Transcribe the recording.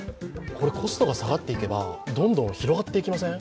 これコストが下がっていけばどんどん広がっていけません？